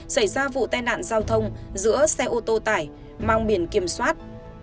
xảy ra vụ tai nạn giao thông giữa xe ô tô tải mang biển kiểm soát